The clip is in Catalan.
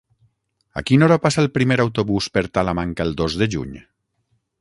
A quina hora passa el primer autobús per Talamanca el dos de juny?